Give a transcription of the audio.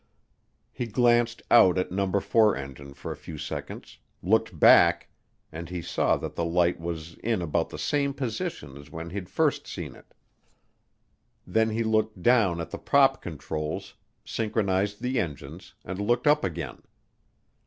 He glanced out at number four engine for a few seconds, looked back, and he saw that the light was in about the same position as when he'd first seen it. Then he looked down at the prop controls, synchronized the engines, and looked up again.